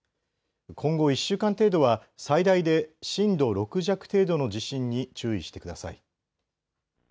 今後１週間程度は最大で震度６弱程度の地震に注意してください。